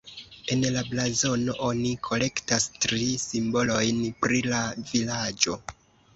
En la blazono oni kolektas tri simbolojn pri la vilaĝo.